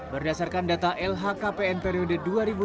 berdasarkan data lhkpn periode dua ribu dua puluh